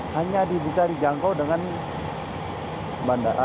hanya bisa dijangkau dengan bandara